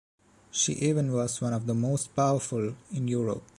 She even was one of the most powerful in Europe.